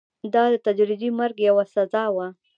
دا د تدریجي مرګ یوه سزا وه.